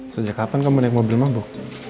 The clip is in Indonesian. sejak kapan kamu naik mobil mangbok